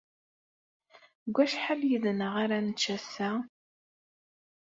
Deg wacḥal yid-neɣ ara nečč ass-a?